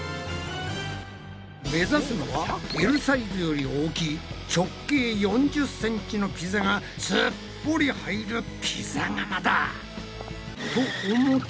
目指すのはＬサイズより大きい直径４０ｃｍのピザがすっぽり入るピザ窯だ！